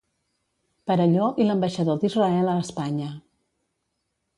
Perelló i l'ambaixador d'Israel a Espanya.